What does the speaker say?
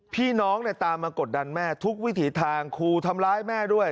พี่น้องตามมากดดันแม่ทุกวิถีทางครูทำร้ายแม่ด้วย